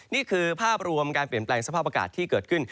นี่คือภาพรวมการเปลี่ยนแปลงสภาพอากาศที่เกิดขึ้น